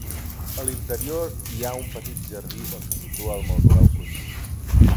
A l'interior hi ha un petit jardí on se situa el mausoleu conjunt.